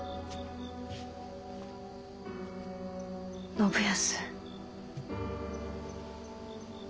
信康。